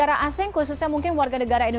apakah yang mereka lakukan sekarang